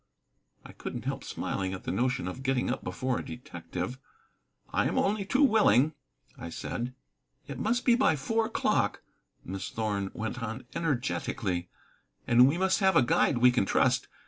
I couldn't help smiling at the notion of getting up before a detective. "I am only too willing," I said. "It must be by four o'clock," Miss Thorn went on energetically, "and we must have a guide we can trust.